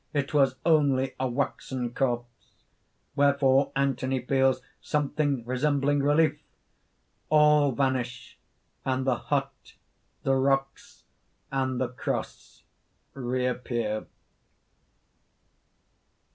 It was only a waxen corpse._ Wherefore Anthony feels something resembling relief. _All vanish; and the hut, the rocks, and the cross reappear.